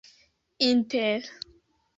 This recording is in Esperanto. inter